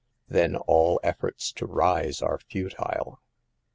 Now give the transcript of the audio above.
Then all efforts to rise are futile.